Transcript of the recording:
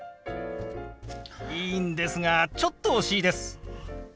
いいんですがちょっと惜しいです。